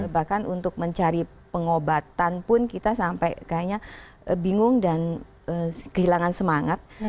bahkan untuk mencari pengobatan pun kita sampai kayaknya bingung dan kehilangan semangat